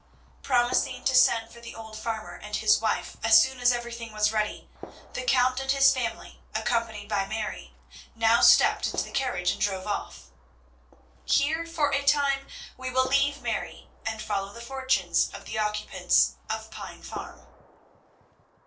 Promising to send for the old farmer and his wife as soon as everything was ready, the Count and his family, accompanied by Mary, now stepped into the carriage and drove off. Here for a time we will leave Mary and follow the fortunes of the occupants of Pine Farm.